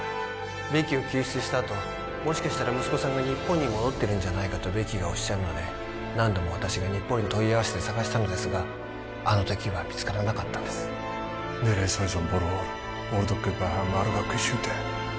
ベキを救出したあともしかしたら息子さんが日本に戻ってるんじゃないかとベキがおっしゃるので何度も私が日本に問い合わせて捜したのですがあの時は見つからなかったんですそれは？